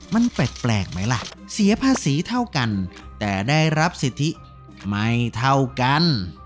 มันแปลกไหมล่ะเสียภาษีเท่ากันแต่ได้รับสิทธิไม่เท่ากัน